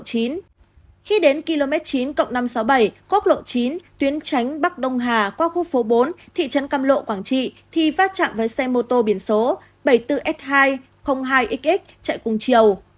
khi đến km chín năm trăm sáu mươi bảy quốc lộ chín tuyến tránh bắc đông hà qua khu phố bốn thị trấn căm lộ quảng trị thì phát trạng với xe mô tô biển số bảy mươi bốn s hai hai xx chạy cùng chiều